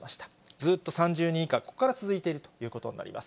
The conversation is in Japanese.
ずーっと３０人以下、ここから続いているということになります。